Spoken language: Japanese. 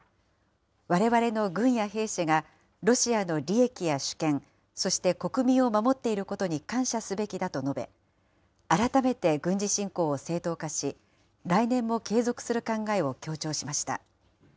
われわれの軍や兵士がロシアの利益や主権、そして国民を守っていることに感謝すべきだと述べ、改めて軍事侵攻を正当化し、来年も継続する考えを強調しました。